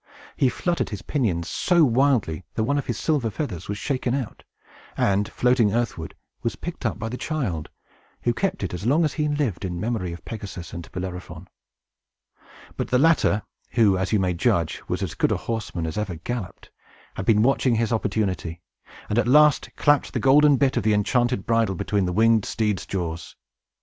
He fluttered his pinions so wildly that one of the silver feathers was shaken out, and, floating earthward, was picked up by the child, who kept it as long as he lived, in memory of Pegasus and Bellerophon. But the latter (who, as you may judge, was as good a horseman as ever galloped) had been watching his opportunity, and at last clapped the golden bit of the enchanted bridle between the winged steed's jaws.